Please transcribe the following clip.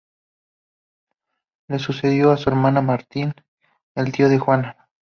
Le sucedió su hermano Martín, el tío de Juana.